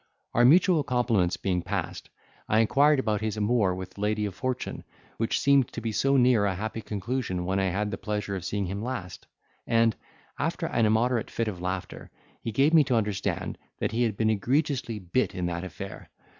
Our mutual compliments being past, I inquired about his amour with the lady of fortune, which seemed to be so near a happy conclusion when I had the pleasure of seeing him last: and, after an immoderate fit of laughter, he gave me to understand that he had been egregiously bit in that affair.